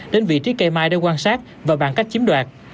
đến vị trí cây mai để quan sát và bàn cách chiếm đoạt